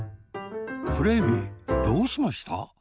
フレーミーどうしました？